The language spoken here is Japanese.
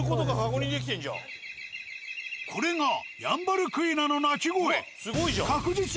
これがヤンバルクイナの鳴き声。